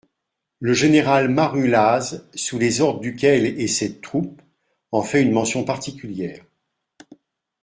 Le général Marulaz, sous les ordres duquel est cette troupe, en fait une mention, particulière.